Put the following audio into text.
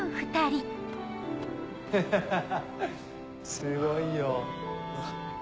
ハハハすごいよ。